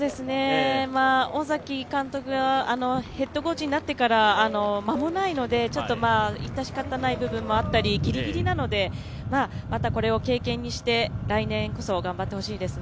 小崎監督がヘッドコーチになってから間もないので、いたしかたない部分もあったり、ギリギリなので、またこれを経験にして来年こそ頑張ってほしいですね。